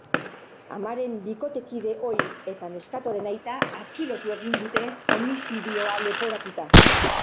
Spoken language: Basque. Amaren bikotekide ohi eta neskatoaren aita atxilotu egin dute, homizidioa leporatuta.